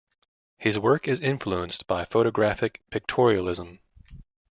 His work is influenced by photographic pictorialism.